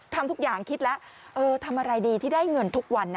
ทำทุกอย่างคิดแล้วทำอะไรดีที่ได้เงินทุกวันนะ